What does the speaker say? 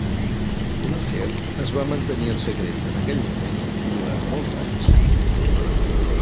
L'afer es va mantenir en secret en aquell moment i durant molts anys.